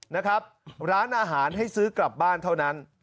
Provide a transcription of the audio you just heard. นะครับร้านอาหารให้ซื้อกลับบ้านเท่านั้น